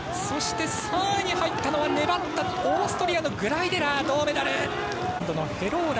そして３位に入ったのは粘ったオーストラリアのグライデラー銅メダル。